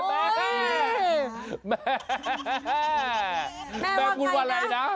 อะะิแหมแม่ฉันว่ากันไงนะแม่พูดว่าอะไรนะ